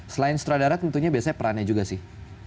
selain sutradara tentunya biasanya perannya juga sih